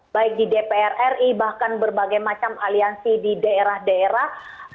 baik di dpr ri bahkan berbagai macam aliansi di daerah daerah